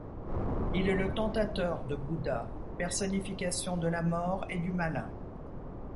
Il est le tentateur de Bouddha, personnification de la mort et du malin.